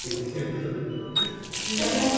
Posee ojos grandes y orejas largas.